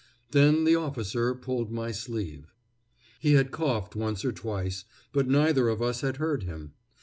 Then the officer pulled my sleeve. He had coughed once or twice, but neither of us had heard him.